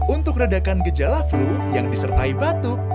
untuk redakan gejala flu yang disertai batuk